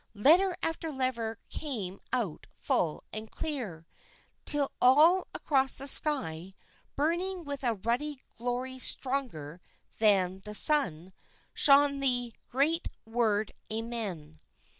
Letter after letter came out full and clear, till all across the sky, burning with a ruddy glory stronger than the sun, shone the great word Amen.